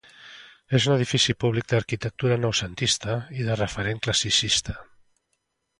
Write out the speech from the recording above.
És un edifici públic d'arquitectura noucentista i de referent classicista.